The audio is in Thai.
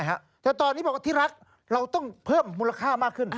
แต่ตอนนี้บอกว่าที่รักเราต้องเพิ่มมูลค่ามากขึ้น